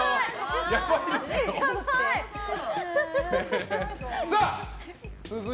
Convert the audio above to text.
やばい！